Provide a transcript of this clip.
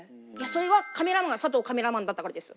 それはカメラマンが佐藤カメラマンだったからです。